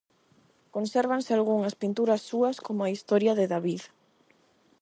Consérvanse algunhas pinturas súas como a "Historia de David".